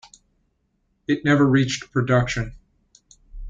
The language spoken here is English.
It never reached production.